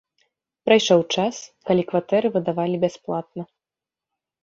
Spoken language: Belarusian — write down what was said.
Прайшоў час, калі кватэры выдавалі бясплатна.